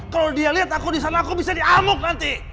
kalo dia liat aku disana aku bisa diamuk nanti